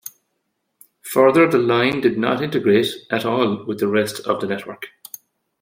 Further the line did not integrate at all with the rest of the network.